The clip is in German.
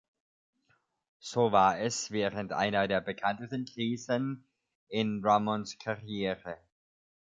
So war es während einer der bekanntesten Krisen in Drummonds Karriere.